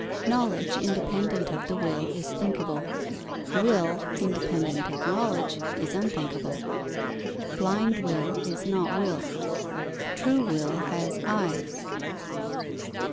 Knowledge independent of the will is thinkable; will independent of knowledge is unthinkable. Blind will is not will; true will has eyes.